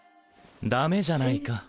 ダメじゃないか